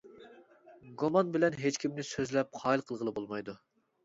گۇمان بىلەن ھېچكىمنى سۆزلەپ قايىل قىلغىلى بولمايدۇ.